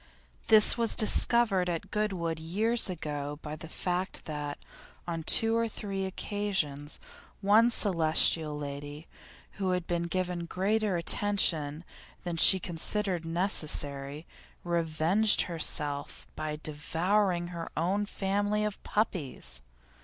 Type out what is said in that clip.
This was discovered at Goodwood years ago by the fact that, on two or three occasions, one Celestial lady, who had been given greater attention than she considered necessary, revenged herself by devouring her own family of puppies!